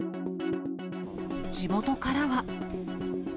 地元からは。